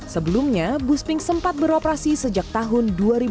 sebelumnya bus pink sempat beroperasi sejak tahun dua ribu dua